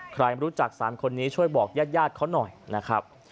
ใครรู้จัก๓คนนี้ช่วยบอกญาติญาติเขาหน่อยนะครับ